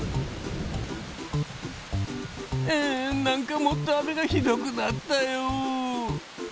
えん何かもっと雨がひどくなったよ。